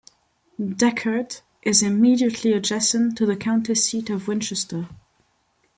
Decherd is immediately adjacent to the county seat of Winchester.